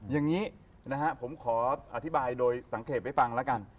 อย่างนี้นะฮะผมขออธิบายโดยสังเกตไว้ฟังแล้วกัน